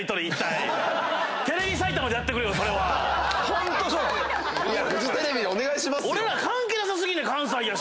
フジテレビでお願いしますよ！